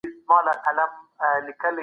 هیڅوک باید په زور نه بدل سي.